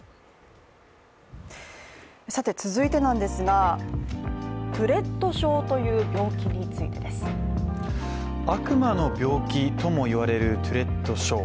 続いてですがトゥレット症という病気について悪魔の病気ともいわれるトゥレット症。